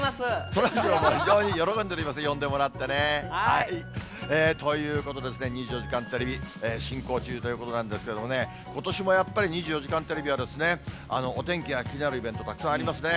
そらジローも非常に喜んでおります、呼んでもらってね。ということで２４時間テレビ進行中ということなんですけどもね、ことしもやっぱり２４時間テレビは、お天気や気になるイベント、たくさんありますね。